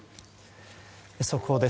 速報です。